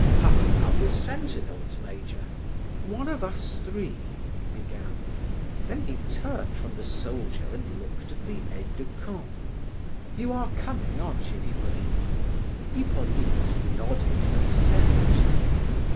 "How about the sentinels, major?" "One of us three " he began; then he turned from the soldier and looked at the aide de camp. "You are coming, aren't you, Hippolyte?" Hippolyte nodded assent.